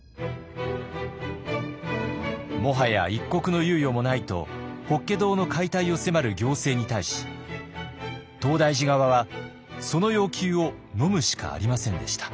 もはや一刻の猶予もないと法華堂の解体を迫る行政に対し東大寺側はその要求をのむしかありませんでした。